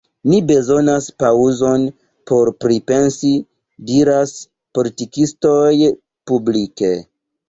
Ni bezonas paŭzon por pripensi, — diras politikistoj publike.